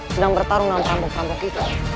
sedang bertarung dengan perampok perampok itu